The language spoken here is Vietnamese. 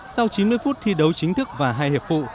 sau chín mươi phút thi đấu chính thức và hai hiệp phụ